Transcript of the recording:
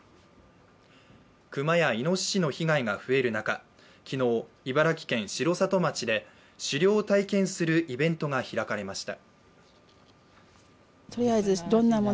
熊やいのししの被害が増える中、昨日、茨城県城里町で狩猟を体験するイベントが開かれました。